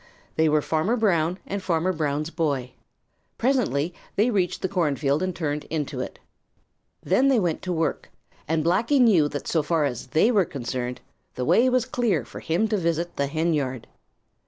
They were Farmer Brown and Farmer Brown's boy. Presently they reached the cornfield and turned into it. Then they went to work, and Blacky knew that so far as they were concerned, the way was clear for him to visit the henyard.